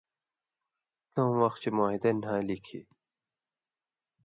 کؤں وخ چے معاہدہ نھالیۡ کھیں